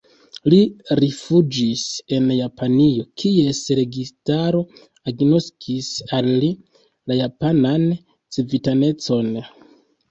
Li rifuĝis en Japanio, kies registaro agnoskis al li la japanan civitanecon.